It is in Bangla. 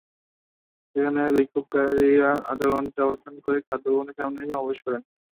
সেখানে বিক্ষোভকারীরা আধা ঘণ্টা অবস্থান করে খাদ্য ভবনের সামনে সমাবেশ করেন।